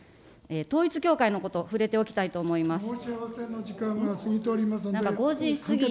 統一教会のこと、触れておきたいと思います。